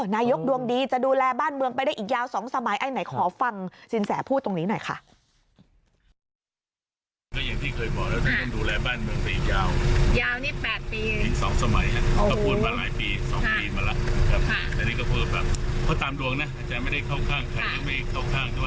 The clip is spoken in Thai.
นายกดวงดีจะดูแลบ้านเมืองไปได้อีกยาว๒สมัยไอ้ไหนขอฟังสินแสพูดตรงนี้หน่อยค่ะ